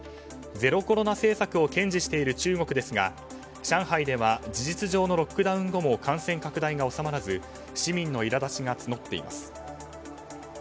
ゼロコロナ政策を堅持している中国ですが上海では事実上のロックダウン後も感染拡大が収まらず市民のいら立ちが募っています。